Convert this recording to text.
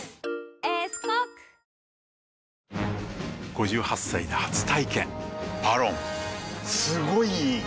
５８歳で初体験「ＶＡＲＯＮ」すごい良い！